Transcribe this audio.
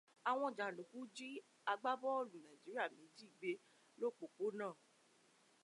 Àwọn jàndùkú jí agbábọ́ọ̀lù Nàìjíríà méjì gbé lópòpónà.